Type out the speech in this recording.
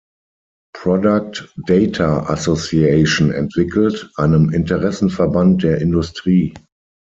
Product Data Association" entwickelt, einem Interessenverband der Industrie.